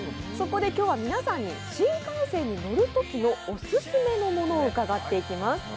そこで今日は皆さんに新幹線に乗る時のオススメのものを伺っていきます。